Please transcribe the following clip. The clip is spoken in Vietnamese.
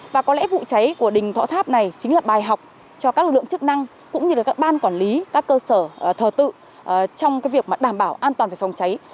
và có lẽ vụ cháy của đình thọ tháp này chính là bài học cho các lực lượng chức năng cũng như là các ban quản lý các cơ sở thờ tự trong cái việc mà đảm bảo an toàn về phòng cháy